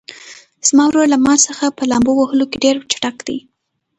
زما ورور له ما څخه په لامبو وهلو کې ډېر چټک دی.